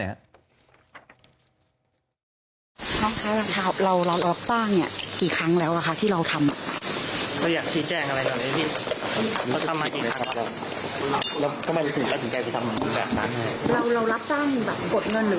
รู้อยู่แล้วกับแอดแรก